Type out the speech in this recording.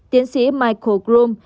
tiến sĩ michael grom